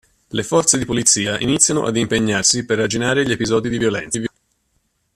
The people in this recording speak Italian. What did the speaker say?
Le forze di polizia iniziano ad impegnarsi per arginare gli episodi di violenza.